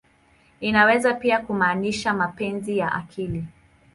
Inaweza pia kumaanisha "mapenzi ya akili.